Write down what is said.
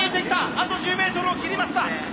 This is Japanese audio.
あと１０メートルを切りました。